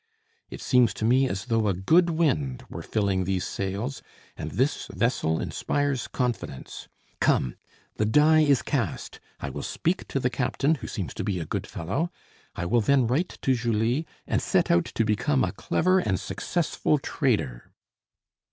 It seems to me as though a good wind were filling these sails, and this vessel inspires confidence. Come! the die is cast; I will speak to the captain, who seems to be a good fellow; I will then write to Julie, and set out to become a clever and successful trader."